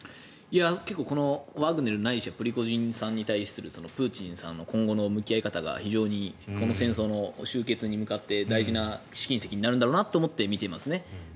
このワグネルないしプリゴジンさんに対するプーチンの今後の向き合い方が非常にこの戦争の終結に向かって大事な試金石になるんだろうなと思って見ていますね。